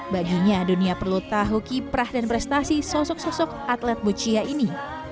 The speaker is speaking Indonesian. baginya dunia perlu tahu kiprah dan prestasi sosok sosok atlet boccia ini